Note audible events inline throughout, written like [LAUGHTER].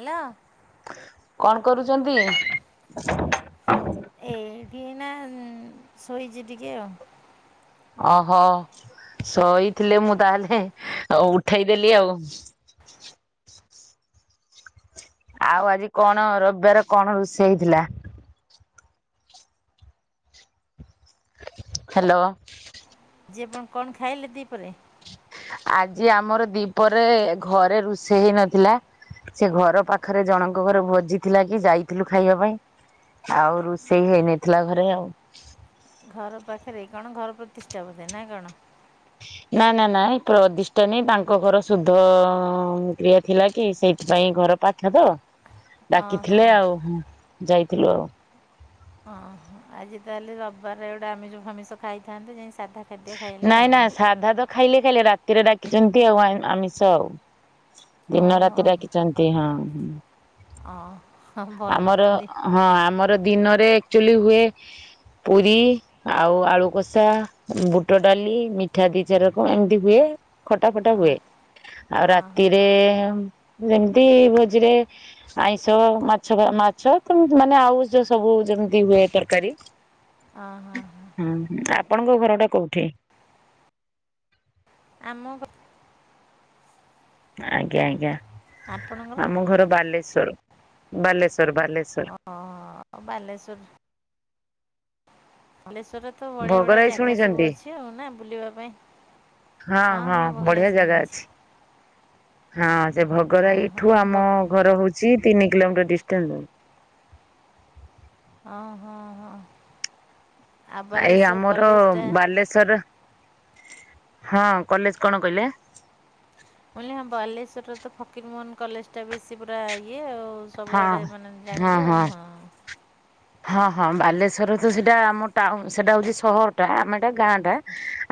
Hello. କଣ କରୁଚନ୍ତି? ଏଇଠି-ଇ ଏଇନା ଶୋଇଛି ଟିକେ ଆଉ। ଓହୋଃ ଶୋଇଥିଲେ ମୁଁ ତାହେଲେ ଉଠେଇଦେଲି ଆଉ। ଆଉ ଆଜି କଣ ରବିବାର କଣ ରୋଷେଇ ହେଇଥିଲା? ହ୍ୟାଲୋ। ଜୀବନ କଣ ଖାଇଲେ ଦିପରେ? ଆଜି ଆମର ଦିପରେ ଘରେ ରୋଷେଇ ହେଇନଥିଲା। ସେ ଘର ପାଖରେ ଜଣଙ୍କ ଘରେ ଭୋଜି ଥିଲା କି ଯାଇଥିଲୁ ଖାଇବା ପାଇଁ। ଆଉ ରୋଷେଇ ହେଇନଥିଲା ଘରେ ଆଉ। ଘର ପାଖରେ କଣ ଘର ପ୍ରତିଷ୍ଠା ବୋଧେ ନା କଣ? ନା-ନା-ନା ଏଇ ପ୍ରଦିଷ୍ଠା ନୁହେଁ ତାଙ୍କ ଘର ଶୁଦ୍ଧ-ଅ-ଅ-ଅ କ୍ରିୟା ଥିଲା କି ସେଇଥିପାଇଁ ଘର ପାଖ୍ ପାଖ ତ, ଓହୋ ଡାକିଥିଲେ ଆଉ ଯାଇଥିଲୁ ଆଉ। ଅଁ ହ, ଆଜି ତାହେଲେ ରବିବାର ଗୋଟେ ଆମିଷ ଫାମିଷ ଖାଇଥାନ୍ତେ ଯାଇ ସାଧା ଖାଦ୍ୟ ଖାଇଲେ ଆଉ ନାଇଁ-ନାଇଁ ସାଧା ତ ଖାଇଲେ ଖାଇଲେ ରାତିରେ ଡାକିଛନ୍ତି ଆଉ ଆଇଁ ଆମିଷ ଆଉ। ଦିନ ରାତି ଡାକିଛନ୍ତି ହଁ ହୁଁ। ଅ ଆମର ହଁ ଆମର ଦିନରେ ଆକ୍ଚୁଆଲି ହୁଏ ପୁରି ଆଉ ଆଳୁ କଷା ବୁଟ ଡାଲି ମିଠା ଦି ଚାରି ରକମ ଏମିତି ହୁଏ। ଖଟା ଫଟା ହୁଏ, ଆଉ ଓହୋ ରାତିରେ ଯେମିତି ଭୋଜିରେ ଆଇଁଷ ମା ଛ ମାଛ ତ ମାନେ ଆଉ ଯୋଉ ସବୁ ଯେମିତି ହୁଏ ତରକାରୀ ଅ-ହଁ-ହଁ। ଉଁ ହୁଁ, ଆପଣଙ୍କ ଘରଟା କୋଉଠି? ଆମ ଘ ଆଜ୍ଞା-ଆଜ୍ଞା ଆପଣଙ୍କର ଓହୋ ଆମ ଘର ବାଲେଶ୍ଵର, ବାଲେଶ୍ଵର-ବାଲେଶ୍ଵର। ଅ ହଁ ବାଲେଶ୍ୱର ବାଲେଶ୍ଵରରେ ତ ବଢିଆ-ବଢିଆ ଭୋଗରାଇ ଜାଗା ସବୁ ଶୁଣିଛନ୍ତି? ଅଛି ଆଉ ନା ବୁଲିବା ପାଇଁ? ହଁ ହଁ ହଁ-ହଁ ବଢିଆ ଭୋଗରାଇ ଜାଗା ଶୁଣିଛି। ଅଛି। ହଁ ସେ ଓହୋ ଭୋଗରାଇଠୁ ଆପଣ ବଗ ଆମ ଘର ହଉଛି ତିନି କିଲୋମିଟର ଡିଷ୍ଟାଣ୍ଟ୍। ଅ- ହଁ- ହଁ। ଆଉ ଏଇ ବାଲେଶ୍ୱର ଆମର କଲେଜଟା ମୁଁ ବାଲେଶ୍ଵର ହଁ କଲେଜ କଣ କହିଲେ ମୁ କହିଲି ହ ବାଲେଶ୍ଵରରେ ତ ଫକୀର ମୋହନ କଲେଜ ଟା ବେଶୀ ପୁରା ଇଏ ଆଉ ହଁ ସବୁଆଡ଼େ ମାନେ ଜାଣିବେ ଆଉ ହଁ। ହଁ ହଁ ବାଲେଶ୍ଵରରେ ତ ସେଇଟା ଆମ ଟାଉନ ସେଇଟା ହଉଛି ସହର ଟା ଆମେ ଏଇଟା ଗାଁ ଟା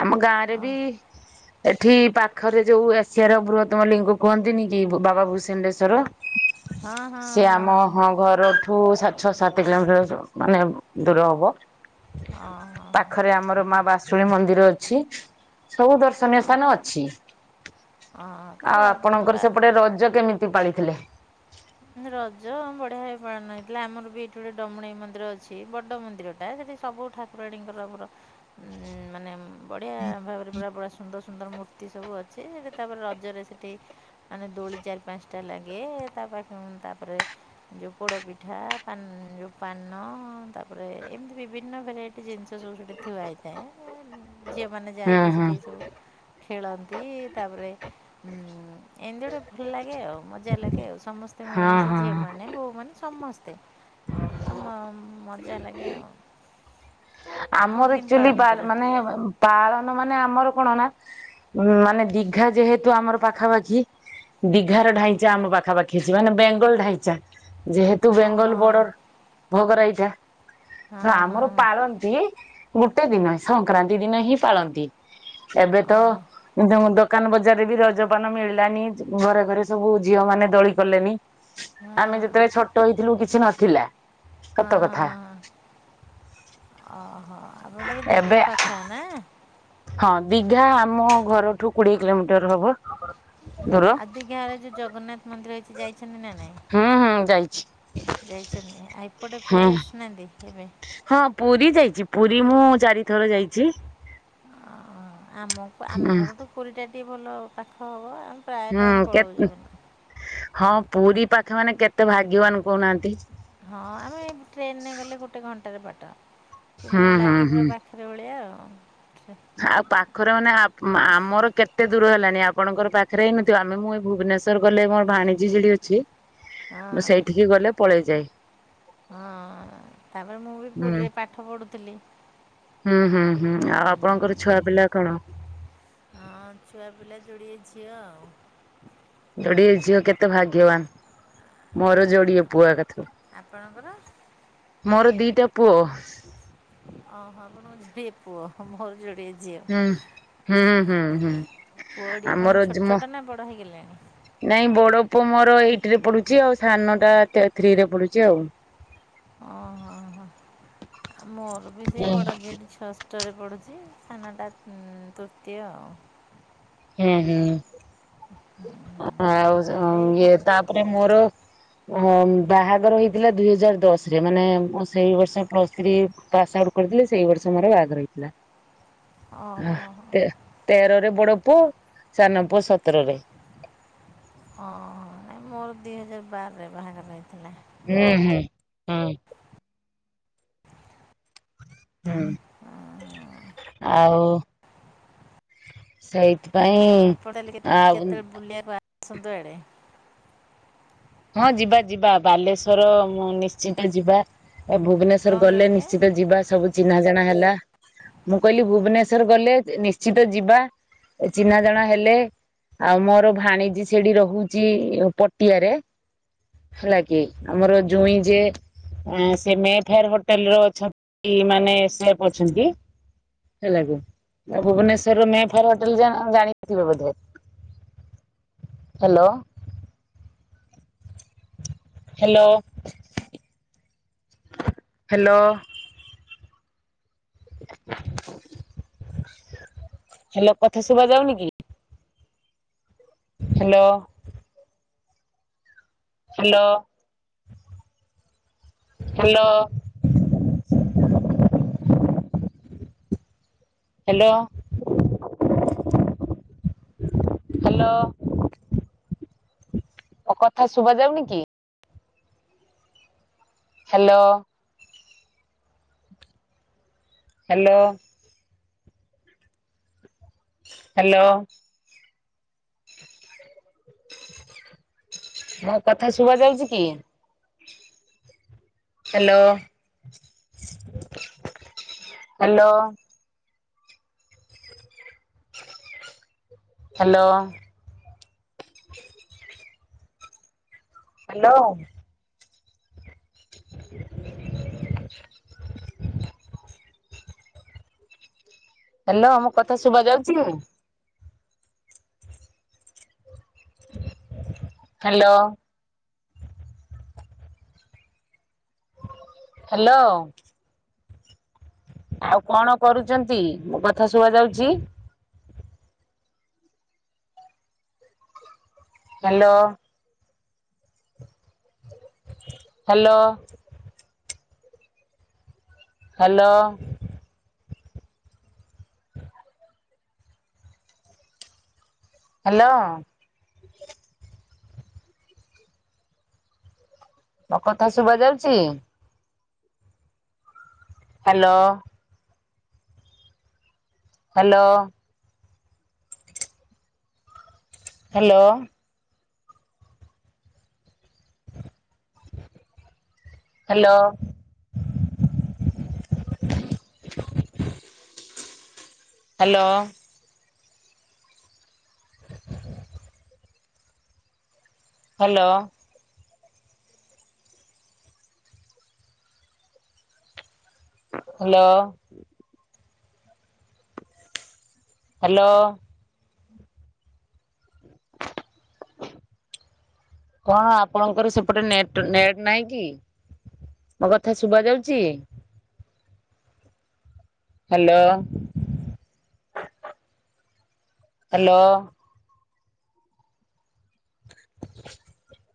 ଆମ ଗାଁରେ ବି [UNINTELLIGIBLE] ଏଠି ପାଖରେ ଯୋଉ ଏସିଆ ର ବୃହତ୍ତମ ଲିଙ୍ଗ କୁହନ୍ତିନି କି ବାବା ଭୂସଣ୍ଡେଶ୍ଵର ସେ ଆମ ହଁ ଘର ଠୁଁ ସାତ ଛଅ ସାତ କିଲୋମିଟର ମାନେ ଦୂର ହବ ହଁ ହଁ ପାଖରେ ଆମର ମା ବାସ ଶୁଣ ମନ୍ଦିର ଅଛି ସବୁ ଦର୍ଶନୀୟ ହଁ ସ୍ଥାନ ଅଛି। ହଁ ଆଉ ଆପଣଙ୍କର ତାହେଲେ ସେପଟେ ରଜ କେମିତି ପାଳିଥିଲେ? ରଜ ବଢିଆ ଭାବେ ପାଳନ ହେଇଥିଲା ଆମର ବି ଏଠି ଗୋଟେ ଡମଣେଇ ମନ୍ଦିର ଅଛି ବଡ ମନ୍ଦିର ଟା ସେଠି ସବୁ ଠାକୁରାଣୀଙ୍କର ପୁରା ମାନେ ବଢ଼ିଆ ଭାବରେ ପୁରା ବ ସୁନ୍ଦର ସୁନ୍ଦର ମୂର୍ତ୍ତି ସବୁ ଅଛି ସେଠି ତାପରେ ରଜରେ ସେଠି ମାନେ ଦୋଳି ଚାରି ପାଞ୍ଚ ଟା ଲାଗେ ତା ପାଖ ତାପରେ ଯୋଉ ପୋଡ ପିଠା ଯୋଉ ପାନ ତାପରେ ଏମିତି ବିଭିନ୍ନ ଭେରାଇଟି ସେ ଜିନିଷ ସବୁ ସେଇଠି ଥଥିବାଆ ହେଇଥାଏ ଝିଅମାନେ ହୁଁ ଯାଆନ୍ତି ହୁଁ ସେଇଠିି ସବୁ ଖେଳନ୍ତି ତାପରେ ଉମ ଏମିତି ଗୋଟେ ଭଲ ଲାଗେ ଆଉ ମଜା ଲାଗେ ଆଉ ସମସ୍ତେ ତେ ହଁ ମିଳିମିଶି ହଁ ଝିଅ ମାନେ ବୋଉମାନେ ସମସ୍ତେ ଆ ମ ମଜା ଲାଗେ ଆଉ ଆପଣ ଆମର କେମିତି ଆଚୁଆଲି ପାଳନ ବାର କଲେ ମାନେ ପାଳନ ମାନେ ଆମର କଣ ନା ମାନେ ଦିଘା ଯେହେତୁ ଆମର ପାଖାପାଖି ଦିଘାର ଓ ଢାଇଚା ଆମ ପାଖାପାଖି ଅଛି ମାନେ ବେଙ୍ଗଲ ଢାଇଚା ଯେହେତୁ ତୁ ଓ ବେଙ୍ଗଲ ହଁ ବର୍ଡର ଭୋଗ ରାଇତା ହଁ ତେଣୁ ଆମର ହଁ ପାଳନ ଗୋଟେ ଦିନ ସଂକ୍ରାନ୍ତି ଦିନ ହିଁ ପାଳନ୍ତି ଏବେ ତ ଓ ତ ଦୋକାନ ବଜାରରେ ବି ରଜପାନ ମିଳିଲାନି ଘରେ ଘରେ ସବୁ ଝିଅ ମାନେ ଦୋଳି କଲେଣିି ହଁ ଆମେ ଯେତେବେଳେ ଛୋଟ ହେଇଥିଲୁ କିଛି ନଥିଲା ହଁ ସତ କଥା ହଁ ହଁ ଓହୋ ଆପଣ ତାହେଲେ ଏବେ ଦୀଘା ପାଖା ନା? ହଁ ଦିଘା ଆମ ଘରଠୁ କୋଡିଏ କିଲୋମିଟର ହବ। ଦୂର ଆଦି ଗାଁରେ ଯୋଉ ଜଗନ୍ନାଥ ମନ୍ଦିର ଅଛି ଯାଇଛନ୍ତି ନା? ହୁଁ ହୁଁ ଯାଇଛି ଯାଇଛନ୍ତି ଆ ଏପଟେ ହୁଁ ପୁରୀ ଆସିନାହାନ୍ତି କେବେ? ହଁ ପୁରୀ ଯାଇଛି ପୁରୀ ମୁଁ ଚାରିଥର ଯାଇଛି। ଅ ଆମକୁ ଆମ ହୁଁ ଘର ଠୁ ପୁରୀ ଟା ଟିକେ ଭଲ ପାଖ ହବ ଆଉ ହୁଁ କେ ହଁ ପୁରୀ ପାଖ ମାନେ କେତେ ଭାଗ୍ୟବାନ କହୁନାହାନ୍ତି ହଁ ଆମେ ଟ୍ରେନରେ ଗଲେ ଗୋଟେ ଘଣ୍ଟାରେ ବାଟ କିନ୍ତୁ ହୁଁ ହୁଁ ଲାଗେ ପୁର ହୁଁ ପାଖରେ ଭଳିଆ ଆଉ ଆଉ ପାଖରେ ମାନେ ଆମର କେତେ ଦୂର ହେଲାଣି ଆପଣଙ୍କର ପାଖରେ ହେଇନଥିବ ଆମେ ମୁଁ ଭୁବନେଶ୍ୱର ର ଗଲେ ମୋର ଭାଣିଜୀ ସେଠି ଅଛି ମୁଁ ହଁ ସେଇଠିକି ଗଲେ ପଳେଇ ଯାଏ ହଁ ତାପରେ ମୁଁ ବି ହୁଁ। ପୁରୀରେ ପାଠ ପଢୁଥିଲି ହୁଁ ହୁଁ ହୁଁ ଆଉ ଆପଣଙ୍କର ଛୁଆ ପିଲା କଣ? ହଁ ଛୁଆ ପିଲା ଯୋଡିଏ ଝିଅ ଆଉ ଯୋଡିଏ ଝିଅ କେତେ ଭାଗ୍ୟବାନ ମୋର ଯୋଡିଏ ପୁଅ [INAUDIBLE] ଆପଣଙ୍କର? ମୋର ଦିଟା ପୁଅ। ଅ ହ ଆପଣଙ୍କର ଦି ପୁଅ ମୋର ଯୋଡିଏ ଝିଅ। ହୁଁ। ହୁଁ ହୁଁ ଝିଅ ହୁଁ ପୁଅ ଟି ଆମର କଣ ଛୋଟ ମୋ ଛୋଟ ନା ବଡ ହେଇଗଲେଣି? ନାଇଁ ବଡ ପୁଅ ମୋର ଏଇଟ ରେ ପଡୁଛି ଆଉ ସାନ ଟା ଥ୍ରୀରେ ପଡୁଛି ଆଉ। ଓହୋ ହୋ ଆ ମୋର ବି ସେଇ ହୁଁ ବଡ ଝିଅଟି ଛଅ ଷଷ୍ଟରେ ପଡ଼ୁଛି ସାନଟା ତୃତୀୟ ଆଉ। ହୁଁ ହୁଁ। ଆଉ ତା'ହେଲେ ଇଏ ତାପରେ ମୋର ହ ବାହାଘର ହେଇଥିଲା ଦୁଇହଜାର ଦଶରେ ମାନେ ମୁଁ ସେଇ ବର୍ଷ ପ୍ଲସ୍ ଥ୍ରୀ ପାସ୍ ଆଉଟ୍ କରିଥିଲି ସେଇ ବର୍ଷ ମୋର ବାହାଘର ହେଇଥିଲା। [INAUDIBLE] ଓହୋ ତେରରେ ବଡ ପୁଅ ସାନ ପୁଅ ସତରରେ। ଓହ ନାଇଁ ମୋର ଦିହଜାର ବାରରେ ବାହାଘର ହେଇଥିଲା। ହୁଁ ହୁଁ ହୁଁ। ହୁଁ ଆଉ [INAUDIBLE] ଆଉ ଆପଣ ହେଲେ ଆଉ କେତେବେଳେ ବୁଲିବାକୁ ଆସନ୍ତୁ ଇଆଡ଼େ। ହଁ ଯିବା ଯିବା ବାଲେଶ୍ଵର ମୁଁ ନିଶ୍ଚିତ ଯିବା ଏ ଭୁବନେଶ କ'ଣ ଶ୍ଵର ଗଲେ କହିଲେ ନିଶ୍ଚିତ ଯିବା ସବୁ ଚିହ୍ନା ଜଣା ହେଲା। ମୁଁ କହିଲି ଭୁବନେଶ୍ଵର ଗଲେ ନିଶ୍ଚିତ ଯିବା। ଚିହ୍ନା ଜଣା ହେଲେ ଆଉ ମୋର ଭାଣିଜୀ ସେଠି ରହୁଛି ପଟିଆରେ। ହେଲା କି ଆମର ଜୁଇଁ ଜିଏ ସେ ମେ ଫେଆର ହୋଟେଲରେ ଅଛନ୍ତି ମାନେ ସେଫ୍ ଅଛନ୍ତି। ହେଲାକି ତ ଭୁବନେଶ୍ୱରର ମେ ଫେୟାର ହୋଟେଲ ଜାଣିଥିବେ ବୋଧେ? ହ୍ୟାଲୋ। Hello hello. ହେ୍ଲୋ କଥା ଶୁବା ଯାଉନି କି? Hello. Hello hello. Hello. Hello. ମୋ କଥା ଶୁବା ଯାଉନି କି? ହ୍ୟାଲୋ। ହ୍ୟାଲୋ। ହ୍ୟାଲୋ। ମୋ କଥା ଶୁବା ଯାଉଛି କି? Hello hello. Hello. Hello. [INAUDIBLE] Hello ମୋ କଥା ଶୁଭା ଯାଉଛିକି ନାହିଁ? ହାଲୋ। ହାଲୋ। ଆଉ କଣ କରୁଚନ୍ତି ମୋ କଥା ଶୁଭା ଯାଉଛି? ହାଲୋ। ହାଲୋ ହାଲୋ ହାଲୋ ମୋ କଥା ଶୁଭା ଯାଉଛି? Hello hello. Hello hello. Hello. Hello. Hello. Hello. କଣ ଆପଣଙ୍କର ସେପଟେ ନେଟ ନେଟ ନାହିଁକି ମୋକଥା ଶୁଭା ଯାଉଛି ହାଲୋ। ହାଲୋ। [UNINTELLIGIBLE]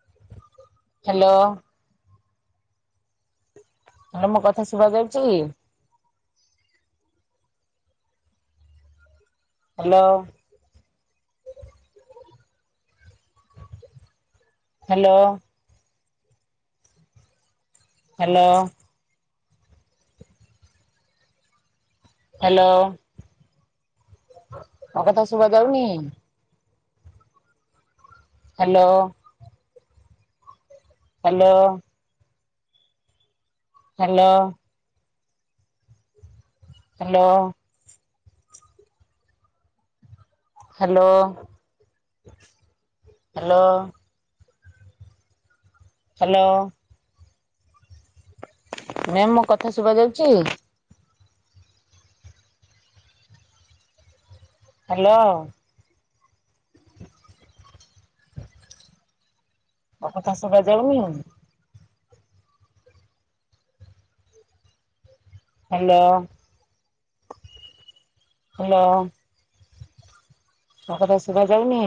ହ୍ୟାଲୋ। ଆଉ ମୋ କଥା ଶୁଭା ଯାଉଛି। ହାଲୋ। ହାଲୋ ହାଲୋ ହାଲୋ ମୋ କଥା ଶୁଭା ଯାଉନି। Hello hello hello hello hello hello hello ma'am ମୋ କଥା ଶୁଭା ଯାଉଚି। ହାଲୋ ମୋ କଥା ସୁଭା ଯାଉନି? ହାଲୋ ହାଲୋ ମୋ କଥା ଶୁଭା ଯାଉନି?